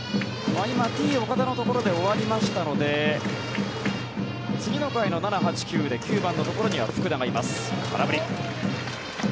今、Ｔ−岡田のところで終わりましたので次の回の７、８、９で９番のところには福田がいます。